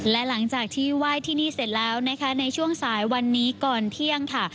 และหลังจากที่ไหว้ที่นี่เสร็จแล้วนะคะในช่วงสายวันนี้ก่อนเที่ยงค่ะ